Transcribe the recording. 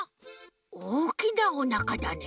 おおきなおなかだね。